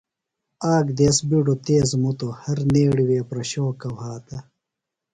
آک دیس بیڈو تیز مُتو۔ ہرنیڑی وے پرشوکہ وھاتہ ۔